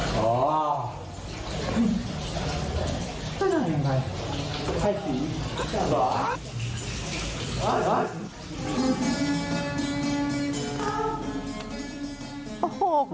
เพื่อนอเล้ยมนะคะนั่นไหนก็ไหวปุโจฮ้ะ